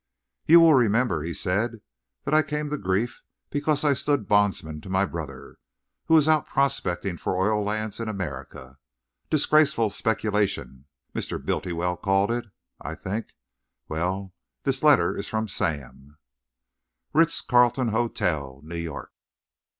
"You will remember," he said, "that I came to grief because I stood bondsman to my brother, who was out prospecting for oil lands in America. 'Disgraceful speculation' Mr. Bultiwell called it, I think. Well, this letter is from Sam:" Ritz Carlton Hotel, New York.